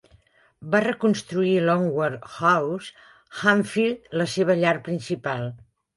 Va reconstruir Longwood House, Hampshire, la seva llar principal.